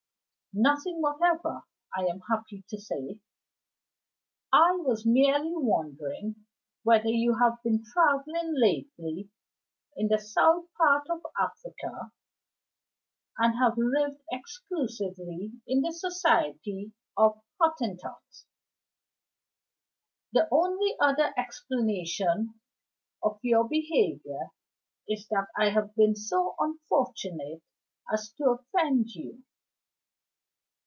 "Nothing whatever, I am happy to say. I was merely wondering whether you have been traveling lately in the south part of Africa, and have lived exclusively in the society of Hottentots. The only other explanation of your behavior is that I have been so unfortunate as to offend you.